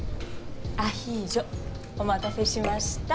アヒージョお待たせしました。